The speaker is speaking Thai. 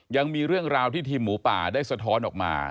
ยังมีเรื่องราวที่ทีมหมูป่าได้สะท้อนออกมา